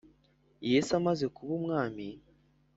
Yesu amaze kuba Umwami